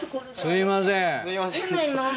すいません。